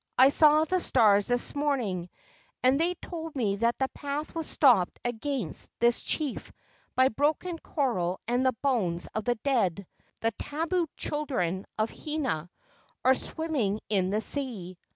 I saw the stars this morning, and they told me that the path was stopped against this chief by broken coral and the bones of the dead. The tabu children of Hina are swimming in the sea.